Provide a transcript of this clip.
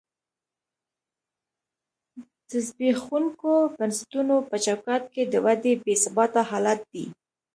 د زبېښونکو بنسټونو په چوکاټ کې د ودې بې ثباته حالت دی.